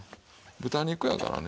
豚肉やからね